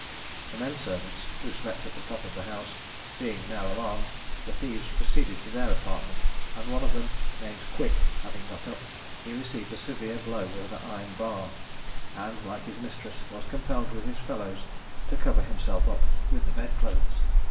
The men servants, who slept at the top of the house, being now alarmed, the thieves proceeded to their apartment, and one of them named Quick having got up, he received a severe blow with an iron bar, and, like his mistress, was compelled, with his fellows, to cover himself up with the bed clothes.